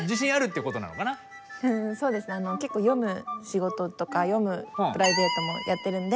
結構読む仕事とか読むプライベートもやってるんで。